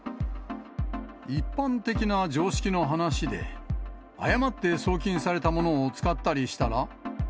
一般的な常識の話で、誤って送金されたものを使ったりしたら？